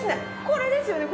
これですよね。